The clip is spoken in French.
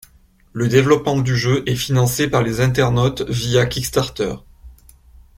Le développement du jeu est financé par les internautes via Kickstarter.